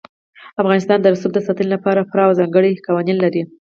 افغانستان د رسوب د ساتنې لپاره پوره او ځانګړي قوانین لري.